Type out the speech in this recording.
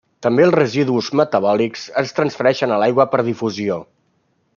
També els residus metabòlics es transfereixen a l'aigua per difusió.